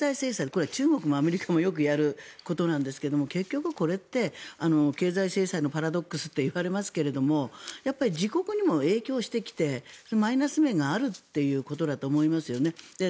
これは中国もアメリカもよくやることなんですけども結局これって経済制裁のパラドックスといわれますが自国にも影響してきてマイナス面があるということだと思いますよね。